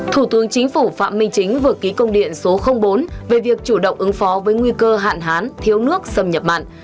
thủ tướng chính phủ phạm minh chính vừa ký công điện số bốn về việc chủ động ứng phó với nguy cơ hạn hán thiếu nước xâm nhập mặn